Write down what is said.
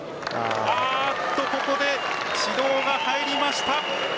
ここで指導が入りました。